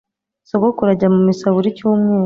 Sogokuru ajya mu misa buri cyumweru. .